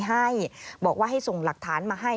ให้บอกว่าให้ส่งหลักฐานมาให้